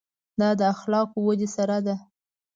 دا د اخلاقو ودې سره ده.